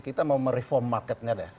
kita mau mereform marketnya deh